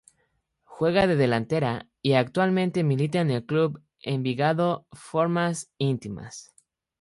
Juega de delantera y actualmente milita en el club Envigado Formas Íntimas.